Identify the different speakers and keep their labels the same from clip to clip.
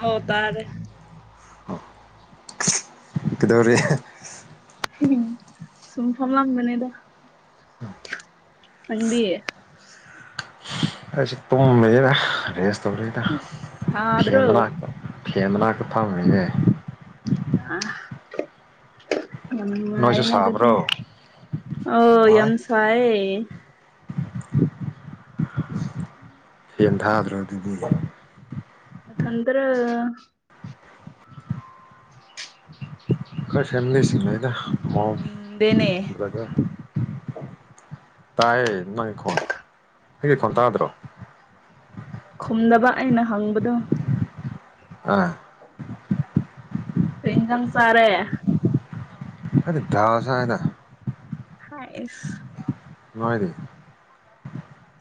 Speaker 1: ꯑꯧ ꯇꯥꯔꯦ
Speaker 2: ꯀꯩꯗꯧꯔꯤ?
Speaker 1: ꯁꯨꯝ ꯐꯝ ꯂꯝꯕꯅꯦꯗ꯫ ꯅꯪꯗꯤ
Speaker 2: ꯑꯩꯁꯨ ꯇꯨꯝꯂꯩꯌꯦꯗ ꯔꯦꯁ ꯇꯧꯔꯤꯗ ꯐ‌ꯦꯟ
Speaker 1: ꯁꯥꯗ꯭ꯔꯣ
Speaker 2: ꯃꯅꯥꯛꯇ ꯐꯦꯜ ꯃꯅꯥꯛꯇ ꯐꯝꯔꯤꯅꯦ꯫
Speaker 1: [unintelligible] ꯌꯥꯝ
Speaker 2: ꯅꯣꯏꯁꯨ
Speaker 1: ꯅꯨꯡꯉꯥꯏꯔ‌ꯦꯅ‌ꯦ ꯑꯗꯨꯗꯤ
Speaker 2: ꯁꯥꯕ꯭ꯔꯣ
Speaker 1: ꯑꯣ
Speaker 2: ꯅꯨꯡꯉꯥꯏ
Speaker 1: ꯌꯥꯝ ꯁꯥꯏꯌ‌ꯦ꯫
Speaker 2: ꯐ‌ꯦꯟ ꯊꯥꯗ꯭ꯔꯣ ꯑꯗꯨꯗꯤ
Speaker 1: ꯅꯊꯟꯇꯔꫭ?
Speaker 2: ꯈꯣꯏ ꯐꯦꯃꯤꯁꯤꯁꯨ ꯂꯩꯗ ꯃꯣꯝ
Speaker 1: ꯈꯨꯝꯗꯦꯅꯦ
Speaker 2: ꯕ꯭ꯔꯗꯔ ꯇꯥꯏꯌꯦ ꯅꯪ ꯈꯣꯟ ꯑꯩꯒꯤ ꯈꯣꯟ ꯇꯥꯗ꯭ꯔꯣ?
Speaker 1: ꯈꯨꯝꯗꯕ ꯑꯩꯅ ꯍꯪꯕꯗꯨ
Speaker 2: ꯑꯥ
Speaker 1: ꯀꯩ ꯏꯟꯖꯥꯡ ꯆꯥꯔ‌ꯦ?
Speaker 2: [unintelligible]
Speaker 1: ꯍꯥꯏꯁ
Speaker 2: ꯅꯣꯏꯗꯤ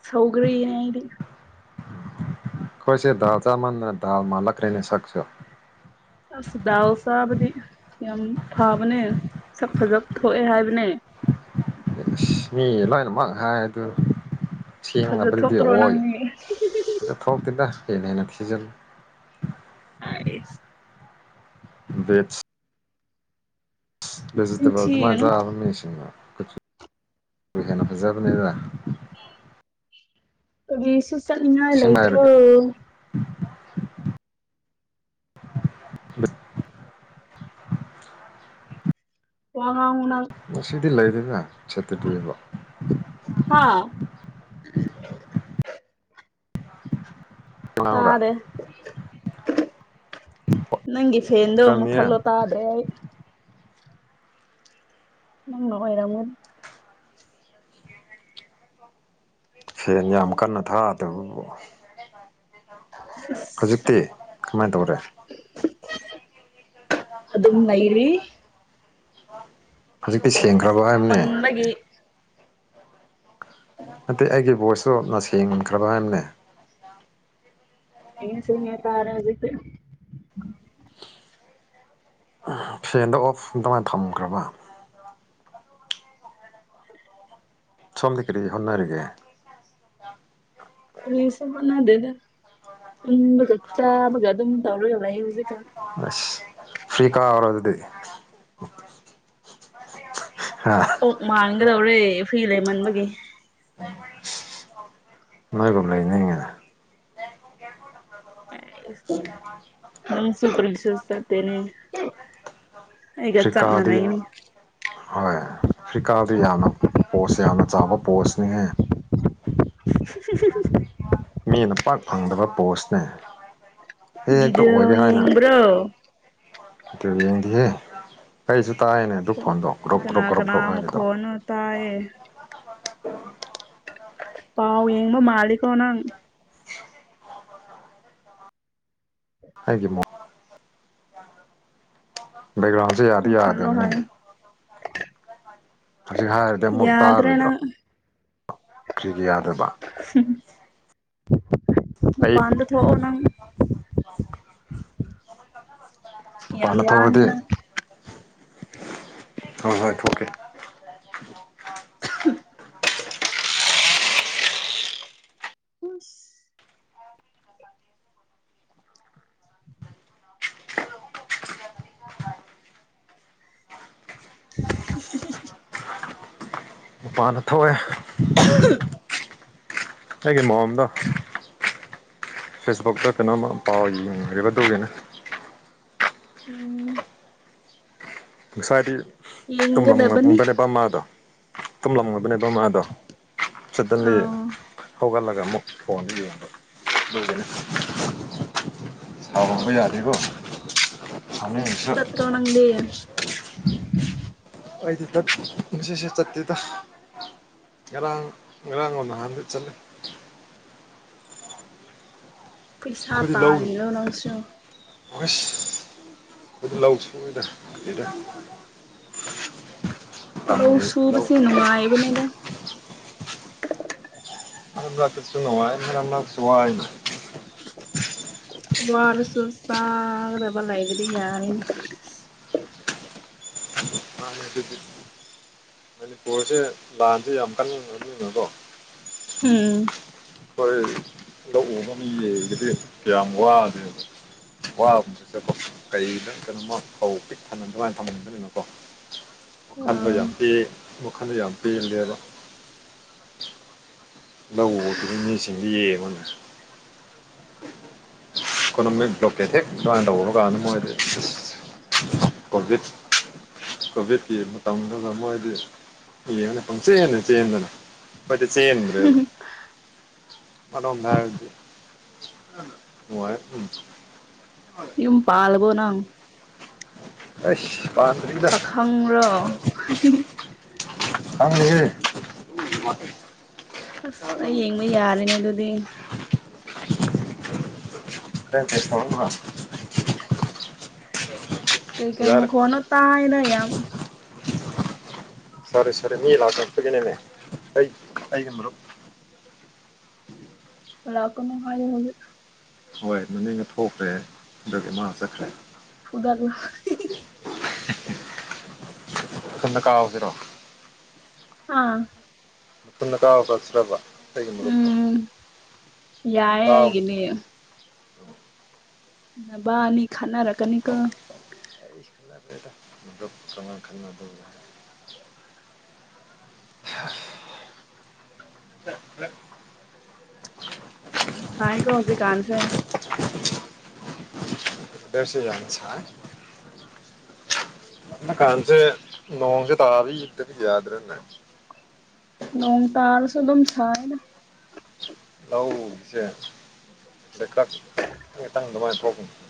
Speaker 1: ꯁꯧꯒ꯭ꯔꯤꯅ‌ꯦ ꯑꯩꯗꯤ
Speaker 2: ꯈꯣꯏꯁꯦ ꯗꯥꯜ ꯆꯥꯃꯟꯗꯅ ꯗꯥꯜ ꯃꯥꯂꯛꯈ꯭ꯔꯦꯅꯦ ꯁꯛꯁꯦ꯫
Speaker 1: ꯑꯁ ꯗꯥꯜ ꯆꯥꯕꯗꯤ ꯌꯥꯝ ꯐꯕꯅꯦ ꯁꯛ ꯐꯖ ꯊꯣꯛꯑꯦ ꯍꯥꯏꯕꯅꯦ꯫
Speaker 2: ꯃꯤ ꯂꯣꯏꯅꯃꯛ ꯍꯥꯏ ꯑꯗꯨ
Speaker 1: ꯐꯖ
Speaker 2: ꯁꯦꯡꯅꯕꯗꯗꯤ
Speaker 1: ꯊꯣꯛꯇ꯭ꯔꯣ
Speaker 2: ꯑꯣꯏ
Speaker 1: ꯅꯪꯅꯤ
Speaker 2: ꯐꯖ ꯊꯣꯛꯇ‌ꯦꯗ ꯍ‌ꯦꯟꯅ ꯍ‌ꯦꯟꯅ ꯊꯤꯖꯜꯂꯤ
Speaker 1: [unintelligible]
Speaker 2: ꯕꯦꯠꯁ
Speaker 1: ꯅꯆꯤꯟ
Speaker 2: ꯚꯦꯖꯤꯇꯦꯕꯜ ꯑꯗꯨꯃꯥꯏꯅ
Speaker 1: ꯊꯤꯒꯅꯨ
Speaker 2: ꯆꯥꯕ ꯃꯤꯁꯤꯡꯅ ꯍꯦꯟꯅ ꯐꯖꯕꯅꯤꯗꯅ
Speaker 1: ꯀꯔꯤꯁꯨ ꯆꯠꯅꯤꯡꯉꯥꯏ
Speaker 2: ꯑꯁꯦꯡꯕ ꯍꯥꯏꯔꯒ
Speaker 1: ꯂꯩꯇ꯭ꯔ‌ꫭ? ꯋꯥꯉꯥꯡꯉꯨ ꯅꯪ
Speaker 2: ꯉꯁꯤꯗꯤ ꯂꯩꯔ‌ꯦꯅ ꯁꯠꯇꯗꯏꯕ
Speaker 1: ꯍꯥꯥ
Speaker 2: ꯉꯥꯡꯕ꯭ꯔꯥ
Speaker 1: ꯇꯥꯔꯦ ꯅꯪꯒꯤ ꯐꯦꯟꯗꯣ
Speaker 2: ꯌꯥꯝꯅꯤꯌꯦ
Speaker 1: ꯃꯨꯊꯠꯂꫭ ꯇꯗ꯭ꯔꯦ ꯑꯩ꯫ ꯅꯪꯅ ꯑꯣꯏꯔꯝꯒꯅꯤ
Speaker 2: ꯐꯦꯟ ꯌꯥꯝ ꯀꯟꯅ ꯊꯥꯗꯕꯕꯨ ꯍꯧꯖꯤꯛꯇꯤ ꯀꯃꯥꯏꯅ ꯇꯧꯔꯦ
Speaker 1: ꯑꯗꯨꯝ ꯅꯩꯔꯤ
Speaker 2: ꯍꯧꯖꯤꯛꯀꯤ ꯁꯦꯡ
Speaker 1: ꯁꯥꯃꯟꯕꯒꯤ
Speaker 2: ꯅꯠꯇꯦ ꯑꯩꯒꯤ ꯚꯣꯏꯁꯇꯣ ꯅꯁꯦꯡ ꯈꯔꯕ ꯍꯥꯏꯕꯅꯦ
Speaker 1: ꯐ‌ꯦꯟ ꯁꯨꯡ ꯇꯥꯔ‌ꯦ ꯍꯧꯖꯤꯛꯇꯤ
Speaker 2: ꯐꯦꯟꯗꫭ ꯑꯣꯐ ꯑꯗꯨꯃꯥꯏꯅ ꯊꯝꯈ꯭ꯔꯕ ꯁꯣꯝꯗꯤ ꯀꯔꯤ ꯍꯣꯠꯅꯔꯤꯒꯦ
Speaker 1: ꯀꯔꯤꯁꯨ ꯍꯣꯠꯅꯗꯦꯗ ꯇꯨꯝꯕꯒ ꯆꯥꯕꯒ ꯑꯗꯨꯝ ꯇꯧꯔꯒ ꯂꯩꯌꯦ ꯍꯧꯖꯤꯛꯀꯥꯟ
Speaker 2: ꯑꯁ ꯐ꯭ꯔꯤ ꯀꯥꯎꯔꯣ ꯑꯗꯨꯗꯤ ꯍꯥ
Speaker 1: ꯑꯣꯛ ꯃꯥꯟꯒꯗꯧꯔꯦ ꯐ꯭ꯔꯤ ꯂꯩꯃꯟꯕꯒꯤ
Speaker 2: [unintelligible] ꯃꯣꯏꯒꯨꯝ ꯂꯩꯅꯤꯡꯉꯤꯗ [unintelligible] [unintelligible]
Speaker 1: ꯅꯪꯁꯨ [unintelligible] ꯅꯠꯇꯦꯅꯦ [inaudible]
Speaker 2: ꯑꯐ꯭ꯔꯤꯀꯥꯗꯤ ꯍꯥꯏ ꯐ꯭ꯔꯤꯀꯥꯗ ꯌꯥꯝꯅ ꯄꯣꯁ ꯌꯥꯝꯅ ꯆꯥꯎꯕ ꯄꯣꯁꯅꯤꯍꯦ
Speaker 1: ꯍꯨꯝ ꯍꯨꯝ ꯍꯨꯝ
Speaker 2: ꯃꯤꯅ ꯄꯥꯛ ꯐꯪꯗꯕ ꯄꯣꯁꯅꯦ ꯍꯦꯛꯇ
Speaker 1: ꯚꯤꯗꯤꯑꯣ
Speaker 2: ꯑꯣꯏꯒꯦ ꯍꯥꯏꯅ
Speaker 1: [unintelligible]
Speaker 2: ꯑꯗꯨ ꯌꯦꯡꯗꯤꯌ° ꯑꯩꯁꯨ ꯇꯥꯏꯅꯦ ꯑꯗꯨ ꯐꯣꯟꯗꯣ ꯒ꯭ꯔꫭꯛ
Speaker 1: ꯀꯅꯥ
Speaker 2: ꯒ꯭ꯔꫭꯛ ꯒ꯭ꯔꫭꯛ
Speaker 1: ꯀꯅꯥ
Speaker 2: ꯒ꯭ꯔꫭꯛ ꯍꯥꯏꯕꯗꯣ
Speaker 1: ꯃꯈꯣꯟꯅꯣ ꯇꯥꯏꯌꯦ ꯄꯥꯎ ꯌꯦꯡꯕ ꯃꯥꯜꯂꯤꯀꫭ ꯅꯪ
Speaker 2: ꯑꯩꯒꯤ ꯃꯣ ꯕꯦꯛꯒ꯭ꯔꯥꯎꯟꯁꯦ ꯌꯥꯗꯤ
Speaker 1: ꯃꯨ ꯊꯠꯂꯣ
Speaker 2: ꯌꯥꯗꯕꯅ°
Speaker 1: ꯍꯥꯏ
Speaker 2: ꯍꯧꯖꯤꯛ ꯍꯥꯏꯔꯗꯤ ꯑꯃꯨꯛ
Speaker 1: ꯌꯥꯗ꯭ꯔꯦ
Speaker 2: ꯇꯥꯔꯣꯏꯗ꯭ꯔꯣ
Speaker 1: ꯅꯪ
Speaker 2: ꯀ꯭ꯔꯤꯒꯤ ꯌꯥꯗꯕ ꯑꯩ
Speaker 1: ꯃꯄꯥꯟꯗ ꯊꫭꯛꯑꫭ ꯅꯪ ꯌꯥꯝ
Speaker 2: ꯃꯄꯥꯟꯗ
Speaker 1: ꯂꯥꯡꯉ°
Speaker 2: ꯊꯣꯛꯑꯗꯤ
Speaker 1: ꯅꯪ
Speaker 2: ꯍꯣꯏ ꯍꯣꯏ ꯊꯣꯛꯀꯦ
Speaker 1: [unintelligible] [unintelligible]
Speaker 2: ꯃꯄꯥꯟꯗ ꯊꯣꯛꯑꯦ
Speaker 1: [unintelligible]
Speaker 2: ꯑꯩꯒꯤ ꯃꫭꯝꯗꯣ ꯐꯦꯁꯕꯨꯛꯇ ꯀꯩꯅꯣꯝꯃ ꯄꯥꯎ ꯌꯦꯡꯉꯤꯌ°ꯕ ꯑꯗꯨꯒꯤꯅ°
Speaker 1: ꯎꯝꯝ
Speaker 2: ꯉꯁꯥꯏꯗꯤ
Speaker 1: ꯌꯦꯡꯒꯗꯕꯅꯤ
Speaker 2: ꯇꯨꯝꯂꯝꯕꯅꯦꯕ ꯃꯥꯗꯣ ꯇꯨꯝꯂꯝꯂꯕꯅꯦꯕ ꯃꯥꯗꯣ ꯁꯗꯟꯂꯤ
Speaker 1: ꯑꯥ
Speaker 2: ꯍꯧꯒꯠꯂꯒ ꯑꯃꯨꯛ ꯐꯣꯟꯗꯨ ꯌꯦꯡꯕ ꯑꯗꯨꯒꯤꯅ° ꯁꯥꯥꯎꯕ ꯌꯥꯗ°ꯀꯣ ꯁꯥꯎꯅꯤꯡꯉꯁꯨ
Speaker 1: ꯈꯪꯗꯦꯌ°
Speaker 2: ꯑꯩꯗꯤ ꯗꯠ ꯄꯨꯟꯁꯤꯁ° ꯆꯠꯇꯦꯗ ꯉꯔꯥꯡ ꯉꯔꯥꯡꯂꫭ ꯅꯍꯥꯟꯂꫭ ꯆꯠꯂꯦ
Speaker 1: ꯄꯩꯁꯥ
Speaker 2: ꯑꯩꯈꫭꯏꯗꯤ ꯂꯧꯏ
Speaker 1: ꯇꯥꯜꯂꯤꯔꯣ ꯅꯪꯁꯨ
Speaker 2: ꯍꯩꯏꯁ ꯂꯧ ꯁꯨꯗ ꯁꯨꯒꯤꯗ°ꯗ
Speaker 1: ꯂꯧ
Speaker 2: ꯃꯇꯝꯒꯤ ꯂꯧ
Speaker 1: ꯁꯨꯕꯁꯤ ꯅꯨꯡꯉꯥꯏꯕꯅꯤꯗ
Speaker 2: ꯃꯔꯛ ꯃꯔꯛꯇꯁꯨ ꯅꯨꯡꯉꯥꯏ ꯃꯔꯛ ꯃꯔꯛꯁꯨ ꯋꯥꯏꯅ°
Speaker 1: ꯋꯥꯔꯁꯨ ꯆꯥꯅꯕ ꯂꯥꯏꯔꯗꯤ ꯌꯥꯔ°ꯅ°
Speaker 2: ꯎꯝ [unintelligible] ꯃꯅꯤꯄꯨꯔꯁꯦ ꯂꯥꯟꯁꯦ ꯌꯥꯝ ꯀꯟꯅ ꯉꯝꯃꯤꯅꯀꯣ
Speaker 1: ꯎꯝ
Speaker 2: ꯍꯣꯏ ꯂꯧ ꯎꯕ ꯃꯤꯁꯤꯡꯁꯤꯗꯤ ꯀꯌꯥꯝ ꯋꯥꯒ꯭ꯔꯦꯕ [unintelligible] ꯋꯥꯈꯟꯗꯣ
Speaker 1: ꯑꯥ
Speaker 2: ꯌꯥꯝ ꯄꯦꯟꯑꯦ ꯋꯥꯈꯟꯗꯣ ꯌꯥꯝ ꯄꯦꯟꯗꯦꯕ ꯂꯧ ꯎꯕ ꯃꯤꯁꯤꯡꯗꯤ ꯌꯦꯡꯎꯅ° ꯏꯀꯣꯅꯣꯃꯤꯛ ꯕ꯭ꯂꯣꯀꯦꯠ ꯍꯦꯛ ꯁꯨꯃꯥꯏꯅ ꯇꯧꯕ ꯀꯥꯟꯗ ꯃꯣꯏꯗꯤ ꯑꯁꯁ ꯀꯣꯚꯤꯠ ꯀꯣꯚꯤꯠꯀꯤ ꯃꯇꯝꯗꯨꯗ ꯃꯣꯏꯗꯤ ꯌꯦꯡꯉꯒ ꯄꯪꯆꯦꯟꯗ ꯆꯦꯟꯗꯅ ꯑꯩꯈꫭꯏꯗꯤ ꯆ°ꯟꯗ꯭ꯔ°ꯕ ꯑꯗꫭꯝꯗ ꯍꯥꯏꯔꯗꯤ [unintelligible]
Speaker 1: ꯌꯨꯝ ꯄꯥꯜꯂꯕꫭ ꯅꯪ
Speaker 2: ꯑꯁ ꯄꯥꯟꯗ꯭ꯔꯤꯗ
Speaker 1: ꯐꯪꯉꯨꯔꫭ ꯍꯤ ꯍꯤ ꯍꯤ
Speaker 2: ꯐꯪ ꯏꯍꯦ
Speaker 1: ꯑꯁ ꯑꯩ ꯌꯦꯡꯕ ꯌꯥꯔꯦꯅꯦ ꯑꯗꯨꯗꯤ
Speaker 2: ꯅꯪ ꯀꯦꯁ ꯇꯧꯔꯛꯄ꯭ꯔꯥ
Speaker 1: ꯀꯩ ꯀꯩ
Speaker 2: ꯌꯥꯔꯦ
Speaker 1: ꯃꯈꯣꯟꯅꯣ ꯇꯥꯏꯌꯦꯗ ꯌꯥꯝ
Speaker 2: ꯁꯣꯔꯤ ꯁꯣꯔꯤ ꯃꯤ ꯂꯥꯛ ꯀꯄꯒꯤꯅꯦꯅꯦ ꯑꯩꯒꯤ ꯃꯔꯨꯞ
Speaker 1: ꯂꯥꯛꯀꯅꯅꯨꯡ ꯍꯥꯏꯌꯨ ꯍꯧꯖꯤꯛ
Speaker 2: ꯍꯣꯏ ꯃꯅꯤꯡꯗ ꯊꯣꯛꯈ꯭ꯔꯦ ꯑꯗꯨꯒꯤ ꯃꯥ ꯆꯠꯈ꯭ꯔꯦ
Speaker 1: ꯐꯨꯗꯠꯂꯨ
Speaker 2: ꯊꯨꯟꯗ ꯀꯥꯎꯁꯤꯔꯣ
Speaker 1: ꯑꯥ
Speaker 2: ꯃꯊꯨꯟꯗ ꯀꯥꯎ [unintelligible] ꯑꯩꯒꯤ ꯃꯔꯨꯞꯇꯣ
Speaker 1: ꯎꯝ ꯌꯥꯏꯌꯦ
Speaker 2: ꯀꯥꯎ
Speaker 1: ꯑꯩꯒꯤꯗꯤ ꯅꯕꯥꯅꯤ ꯈꯠꯅꯔꯛ ꯀꯅꯤ ꯀꯣ
Speaker 2: ꯀꯩꯈꯠꯅꯗꯦꯗ [unintelligible] ꯈꯠꯅ [inaudible]
Speaker 1: ꯌꯥꯝ ꯁꯥꯏꯒꯣ ꯍꯧꯖꯤꯛ ꯀꯥꯟꯁꯦ
Speaker 2: ꯗꯁꯨ ꯌꯥꯝ ꯁꯥꯏ ꯅꯀꯟꯁꯦ ꯅꯣꯡꯁꯦ ꯇꯥꯕꯒꯤ ꯏꯗ ꯌꯥꯗꯔꯦꯅꯦ
Speaker 1: ꯅꯣꯡ ꯇꯥꯔꯁꯨ ꯑꯗꯨꯝ ꯁꯥꯏꯌꯦꯗ
Speaker 2: ꯂꯧꯁꯦ [unintelligible]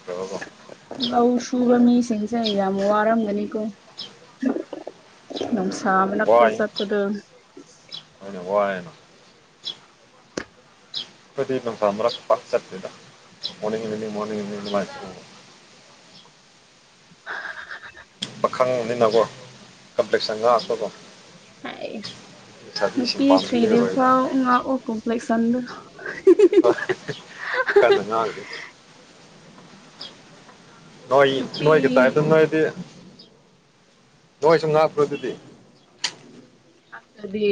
Speaker 1: ꯂꯧ ꯁꯨꯕ ꯃꯤꯁꯤꯡꯁꯦ ꯌꯥꯝ ꯋꯥꯔꯝꯒꯅꯤꯀꯣ ꯅꯨꯡꯁꯥ ꯃꯔꯛꯇ ꯆꯠꯄꯗ
Speaker 2: ꯍꯣꯅꯦ ꯋꯥꯌꯦꯅ ꯈꯣꯏꯗꯤ ꯅꯨꯡꯁꯥ ꯃꯔꯛꯇ ꯄꯥꯛ ꯆꯠꯗ ꯃꯣꯔꯅꯤꯡꯅꯤ ꯃꯣꯔꯅꯤꯡ ꯄꯥꯈꯪꯕꯅꯤꯅꯖꯨ ꯀꯝꯄ꯭ꯂꯦꯛꯁꯟ
Speaker 1: ꯎꯝ
Speaker 2: [unintelligible]
Speaker 1: ꯍꯥꯏꯁ
Speaker 2: ꯂꯩꯁꯥꯕꯤꯁꯤꯡ
Speaker 1: ꯅꯨꯄꯤ ꯊ꯭ꯔꯤꯗꯤ
Speaker 2: ꯄꯥꯝꯕꯤꯔꯔꯣꯏꯕ
Speaker 1: ꯐꯥꯎ ꯉꯥꯛꯑꯣ ꯀꯣꯝꯄ꯭ꯂꯦꯛꯁꯟꯗ
Speaker 2: ꯀꯟꯅ ꯉꯥꯡꯒꯦ ꯅꯣꯏ
Speaker 1: ꯅꯨꯄꯤ
Speaker 2: ꯅꯣꯏꯒꯤ ꯇꯥꯏ ꯑꯗꯨ ꯅꯣꯏꯗꯤ ꯅꯣꯏ ꯁꯨꯝ ꯉꯥꯞꯄ꯭ꯔꯣ ꯑꯗꯨꯗꯤ
Speaker 1: ꯉꯥꯛꯇ꯭ꯔꯗꯤ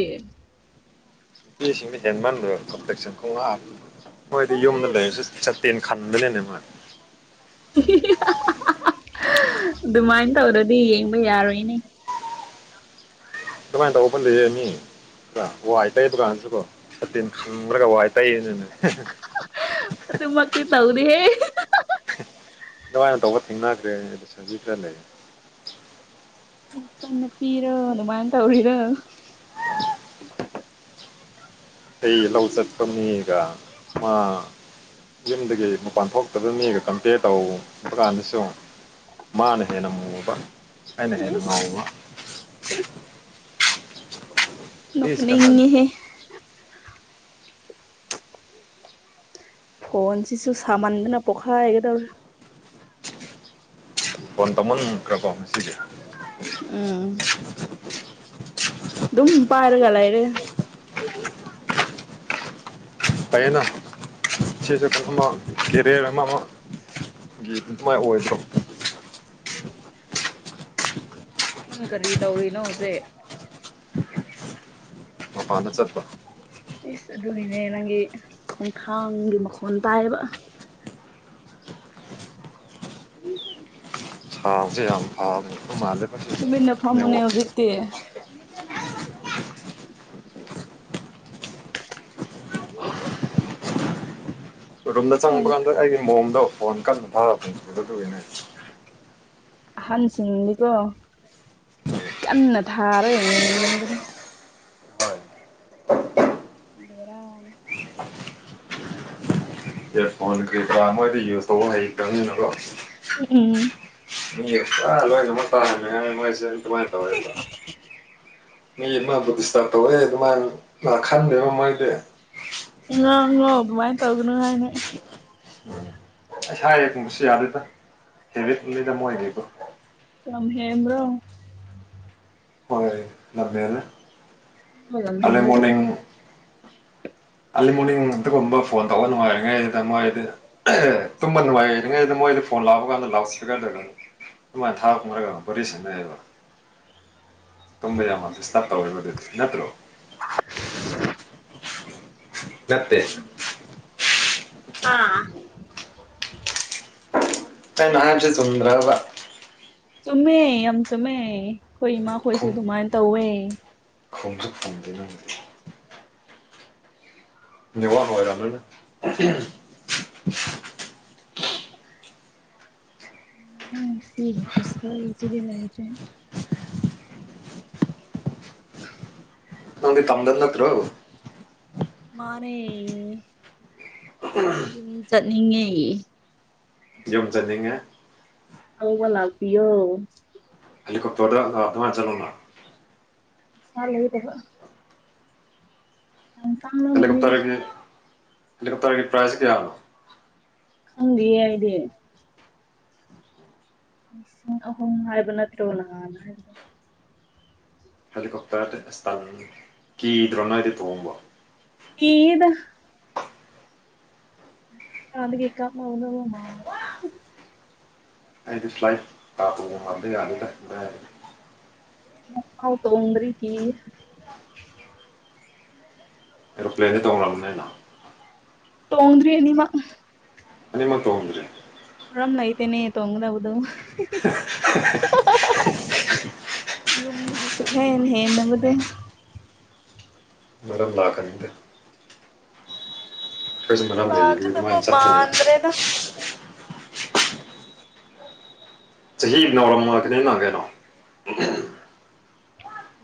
Speaker 2: ꯅꯨꯄꯤꯁꯤꯡꯗꯨ ꯍꯦꯟꯃꯟꯗ꯭ꯔꯣ ꯀꯝꯄ꯭ꯂꯦꯁꯟ ꯈꯉꯥꯛ ꯃꯣꯏꯗꯤ ꯌꯨꯝꯗ ꯂꯩꯔꯁꯨ
Speaker 1: ꯑꯁ
Speaker 2: ꯆꯠ ꯇꯦꯟ ꯈꯥꯟꯕꯅꯤꯅꯦ ꯃꯣꯏ
Speaker 1: ꯑꯗꯨꯃꯥꯏꯅ ꯇꯧꯔꯗꯤ ꯌꯦꯡꯕ ꯌꯥꯔꯣꯏꯅꯦ
Speaker 2: ꯑꯗꯨꯃꯥꯏꯅ ꯇꯧꯕ [unintelligible] ꯃꯤ ꯋꯥꯏ ꯇꯩ ꯗꯨꯀꯥꯟꯁꯨ ꯀꯣ ꯁꯇꯤꯟ ꯈꯝ꯭ꯔꯒ ꯋꯥꯏ ꯇꯩꯌꯦꯅꯦꯅ
Speaker 1: ꯑꯗꯨꯃꯛꯇꯤ ꯇꯧꯗꯤꯍꯦ
Speaker 2: ꯑꯗꯨꯃꯥꯏꯅ ꯇꯧꯕ ꯊꯦꯡꯅꯈ꯭ꯔꯦ ꯑꯗꯨ ꯁꯟꯖꯤ ꯈꯔ ꯂꯩ
Speaker 1: [unintelligible] ꯄꯤꯔꯣ ꯑꯗꯨꯃꯟ ꯇꯧꯔꯤꯔꯣ
Speaker 2: ꯏꯜꯂ ꯂꯧ ꯆꯠꯄ ꯃꯤ ꯒꯥꯏꯅ ꯃꯥ ꯌꯨꯝꯗꯒꯤ ꯃꯄꯥꯟ ꯊꯣꯛꯇꯕ ꯃꯤꯒ ꯀꯝꯄꯦꯌꯔ ꯇꯧꯕ ꯀꯥꯟꯗꯁꯨ ꯃꯥꯅ ꯍꯦꯟꯅ ꯃꯨꯕ ꯑꯩꯅ ꯍꯦꯟꯅ
Speaker 1: ꯏꯁ
Speaker 2: ꯉꯧꯕ ꯀꯔꯤꯁꯨ ꯀꯥꯟꯅꯗꯦ
Speaker 1: ꯅꯣꯛꯅꯤꯡꯉꯤꯍꯦ ꯐꯣꯟꯁꯤꯁꯨ ꯁꯥꯃꯟꯗꯅ ꯄꯣꯛꯈꯥꯏꯒꯗꯧꯔꯦ
Speaker 2: ꯐꯣꯟ [unintelligible] ꯉꯁꯤꯗꯤ
Speaker 1: ꯎꯝ ꯗꯨꯝ ꯄꯥꯔꯒꯂꯩꯔꯦ
Speaker 2: ꯄꯩꯌꯦꯅ ꯁꯤꯁꯦ [unintelligible] ꯀꯦꯔꯤꯌ꯭ꯔ ꯑꯃꯃꯨꯛ [unintelligible]
Speaker 1: ꯅꯪ ꯀꯔꯤ ꯇꯧꯔꯤꯅꯣ ꯍꯧꯖꯤꯛ
Speaker 2: ꯃꯄꯥꯟꯗ ꯆꯠꯄ
Speaker 1: ꯏꯁ ꯑꯗꯨꯒꯤꯅꯦ ꯅꯪꯒꯤ ꯈꯣꯡꯊꯥꯡꯒꯤ ꯃꯈꯣꯟ ꯇꯥꯏꯌꯦꯕ
Speaker 2: ꯊꯥꯎꯖꯦ ꯌꯥꯝ ꯐꯕ [unintelligible] ꯃꯥꯜꯂꯦ
Speaker 1: ꯇꯨꯃꯤꯟꯅ ꯐꯝꯃꯨꯅꯦ ꯍꯧꯖꯤꯛꯇꯤ [unintelligible]
Speaker 2: ꯔꯨꯝꯗ
Speaker 1: ꯅꯪ
Speaker 2: ꯆꯪꯕ ꯀꯥꯟꯗ ꯑꯩꯒꯤ ꯃꯣꯟꯗꯣ ꯐꯣꯟ ꯀꯟꯅ ꯐꯥꯔꯛꯄꯅꯤ ꯑꯗꯨꯒꯤꯅꯦ
Speaker 1: ꯑꯍꯟꯁꯤꯡꯗꯤꯀꯣ ꯀꯟꯅ ꯊꯥꯔ ꯌꯦꯡꯕꯅꯤ ꯕꯦꯔꯥꯅꯤ
Speaker 2: ꯐꯣꯟ ꯀꯔꯤ ꯀꯔꯥ ꯃꯣꯏꯗꯤ ꯌꯨꯁ ꯇꯧꯕ ꯍꯩꯇꯕꯅꯤꯅꯀꯣ
Speaker 1: ꯎꯝ ꯎꯝ
Speaker 2: ꯃꯤ ꯑꯦꯁꯇ꯭ꯔꯥ ꯂꯣꯏꯅꯃꯛ ꯇꯥꯔꯝꯃꯦ ꯃꯣꯏꯁꯦ ꯑꯗꯨꯃꯥꯏꯅ ꯇꯧꯋꯦꯕ ꯃꯤ ꯑꯃꯕꯨ ꯗꯤꯁꯇꯥꯔ ꯇꯧꯋꯦ ꯑꯗꯨꯃꯥꯏꯅ ꯈꯟꯗꯣꯏ꯭ꯕ ꯃꯣꯏꯗꯤ
Speaker 1: ꯉꯥꯡꯉꯣ ꯑꯗꯨꯃꯥꯏꯅ ꯇꯧꯒꯅꯨ ꯍꯥꯏꯅ
Speaker 2: [unintelligible] ꯌꯥꯗꯦꯗ [unintelligible]
Speaker 1: ꯂꯝꯍꯦꯟꯕꯔꯣ
Speaker 2: ꯍꯣꯏ ꯂꯝꯍꯦꯜꯂꯦ
Speaker 1: [unintelligible] ꯂꯝ
Speaker 2: ꯑꯥꯔꯂꯤ
Speaker 1: ꯍꯦꯟꯂꯗꯤ
Speaker 2: ꯃꯣꯔꯅꯤꯡ ꯑꯥꯔꯂꯤ ꯃꯣꯔꯅꯤꯡ ꯑꯗꯨꯒꯨꯝꯕ ꯐꯣꯟ ꯇꯧꯕ ꯅꯨꯡꯉꯥꯏꯔꯤꯉꯩ ꯁꯤꯗ ꯃꯣꯏꯗꯤ ꯑꯦ ꯇꯨꯝꯕ ꯅꯨꯡꯉꯥꯏꯔꯤꯉꯩꯗ ꯃꯣꯏꯗ ꯐꯣꯟ ꯂꯥꯛꯕ ꯀꯥꯟꯗ ꯂꯥꯎ ꯁꯄꯤꯀꯔ ꯂꯩꯔꯝꯃꯤ ꯊꯥꯛ [unintelligible] ꯇꯨꯝꯕ ꯌꯥꯝꯃ ꯗꯤꯁꯇꯞ ꯇꯧꯋꯦꯕ ꯗꯨꯗꯤ ꯅꯠꯇ꯭ꯔꯣ꯫ ꯅꯠꯇꯦ
Speaker 1: [inaudible] ꯑꯥ꯫
Speaker 2: ꯅꯡꯅ ꯍꯥꯏꯕꯁꯦ ꯆꯨꯝꯗ꯭ꯔꯕ꯫
Speaker 1: ꯆꯨꯝꯃꯦ ꯌꯥꯝ ꯆꯨꯝꯃꯦ ꯑꯩꯈꯣꯏ ꯏꯃꯥꯈꯣꯏꯁꯨ ꯑꯗꯨꯃꯥꯏꯅ ꯇꯧꯋꯦ꯫
Speaker 2: ꯈꯨꯝꯁꯨ ꯈꯨꯝꯗꯦ ꯅꯪꯗꯤ꯫ ꯅꯦꯠꯋꯥꯛꯅ ꯑꯣꯏꯔꯝꯃꯅꯤ
Speaker 1: ꯎ ꯉꯁꯤꯒꯤ ꯈꯨꯁꯥꯁꯤꯗꯤ ꯂꯩꯇꯔ꯭ꯦꯍꯦ ꯫
Speaker 2: ꯅꯪꯗꯤ ꯇꯝꯗ ꯅꯠꯇꯔꯣ꯫
Speaker 1: ꯃꯥꯅꯦ ꯫
Speaker 2: [inaudible]
Speaker 1: ꯌꯨꯝ ꯆꯠꯅꯤꯡꯉꯦ꯫
Speaker 2: ꯌꯨꯝ ꯆꯠꯅꯤꯡꯉꯦ꯫
Speaker 1: ꯂꯧꯕ ꯂꯥꯛꯄꯤꯌꯣ꯫
Speaker 2: ꯍꯦꯂꯤꯀꯣꯞꯇꯔꯗ [unintelligible] ꯆꯠꯂꯣꯅꯥ ꯫
Speaker 1: ꯁꯥ ꯂꯩꯇꯕ ꯫ ꯇꯥꯡꯂꯝꯒꯅꯤꯗ
Speaker 2: ꯍꯦꯂꯤꯀꯣꯞꯇꯔꯒꯤ ꯍꯦꯂꯤꯀꯣꯞꯇꯔꯒꯤ ꯄ꯭ꯔꯥꯏꯖꯁꯦ ꯀꯌꯥꯅꯣ꯫
Speaker 1: ꯈꯪꯗꯤꯌꯦ ꯑꯩꯗꯤ꯫ ꯂꯤꯁꯤꯡ ꯑꯍꯨꯝ ꯍꯥꯏꯕ ꯅꯠꯇ꯭ꯔꯣ ꯅꯍꯥꯟ ꯍꯥꯏꯕꯗꯣ꯫
Speaker 2: ꯍꯦꯂꯤꯀꯣꯞꯇꯔꯗꯤ ꯑꯁ ꯇꯜꯂꯦ ꯀꯤꯗ꯭ꯔꯣ ꯅꯣꯏꯗꯤ ꯇꯣꯡꯕ꯫
Speaker 1: ꯀꯤꯌꯦꯗꯥ꯫ ꯑꯥꯗꯒꯤ ꯀꯥꯞꯅꯒꯗꯕ ꯃꯥꯜꯂꯦ꯫
Speaker 2: ꯑꯩꯗꯤ ꯐꯂꯥꯏꯠꯇ [unintelligible]
Speaker 1: ꯃꯨꯛꯐꯥꯎ ꯇꯣꯡꯗꯔ꯭ꯤ ꯀꯤꯌꯦ ꯫
Speaker 2: ꯑꯦꯔꯣꯄ꯭ꯂꯦꯟꯗꯤ ꯇꯣꯡꯔꯝꯂꯅꯤꯅ꯫
Speaker 1: ꯇꯣꯡꯗꯔ꯭ꯤ ꯑꯅꯤꯃꯛ꯫
Speaker 2: ꯑꯅꯤꯃꯛ ꯇꯣꯡꯗ꯭ꯔꯤ꯫
Speaker 1: ꯃꯔꯝ ꯂꯩꯇꯦꯅꯦ ꯇꯣꯡꯒꯗꯧꯕꯗꯣ꯫ ꯌꯨꯝꯗꯒꯤ꯫ ꯁꯨꯛꯍꯦꯟ ꯍꯦꯟꯗꯕꯗꯣ꯫
Speaker 2: ꯃꯔꯝ ꯂꯥꯛꯀꯅꯤꯗ꯫
Speaker 1: ꯂꯥꯛꯀꯗꯕ
Speaker 2: [unintelligible]
Speaker 1: ꯃꯥꯟꯗ꯭ꯔꯦꯗ
Speaker 2: ꯆꯍꯤ ꯅꯥꯎꯔꯝꯃ [unintelligible] ꯀꯩꯅꯣ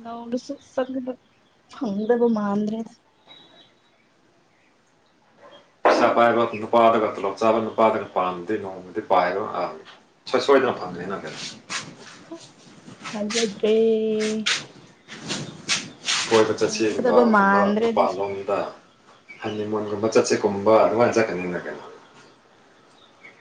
Speaker 1: ꯅꯧꯔꯁꯨ ꯆꯠꯗꯕ ꯐꯪꯗꯕ ꯃꯥꯟꯗ꯭ꯔꯦꯗ꯫
Speaker 2: ꯄꯩꯁꯥ ꯄꯥꯏꯕ ꯅꯨꯄꯥꯗꯒ ꯇꯣꯂꯣꯞ ꯆꯥꯕ ꯅꯨꯄꯥꯗꯅ ꯄꯥꯟꯕꯗꯤ ꯅꯣꯡꯃꯗꯤ [unintelligible] ꯁꯣꯏ ꯁꯣꯏ ꯗꯅ ꯐꯪꯒꯅꯤ ꯀꯩꯅꯣ ꯫
Speaker 1: ꯍꯥ ꯊꯥꯖꯗ꯭ꯔꯦ
Speaker 2: ꯀꯣꯏꯕ ꯆꯠꯁꯦ
Speaker 1: ꯐꯪꯒꯗꯕ
Speaker 2: ꯅꯨꯡꯗꯥꯡꯒꯨꯝꯕ
Speaker 1: ꯃꯥꯟꯗ꯭ꯔꯦ ꯑꯗꯨꯁꯨ
Speaker 2: ꯃꯄꯥꯟꯂꯣꯝꯗ ꯍꯟꯅꯤꯃꯣꯟꯒꯨꯝꯕ ꯆꯠꯁꯦꯠꯀꯨꯝꯕ ꯑꯗꯨꯃꯥꯏ ꯆꯠꯀꯅꯤꯅ ꯀꯩꯅꯣ꯫